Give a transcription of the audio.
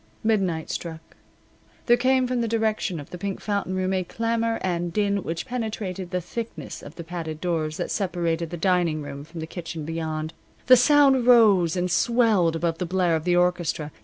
Midnight struck. There came from the direction of the Pink Fountain Room a clamor and din which penetrated the thickness of the padded doors that separated the dining room from the kitchen beyond. The sound rose and swelled above the blare of the orchestra.